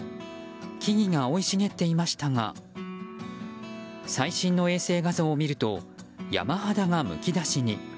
木々が生い茂っていましたが最新の衛星画像を見ると山肌がむき出しに。